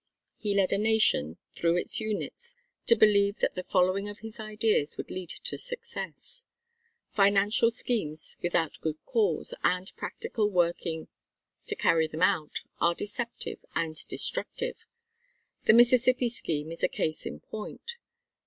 He led a nation, through its units, to believe that the following of his ideas would lead to success. Financial schemes without good ideas and practical working to carry them out are deceptive and destructive. The Mississippi Scheme is a case in point.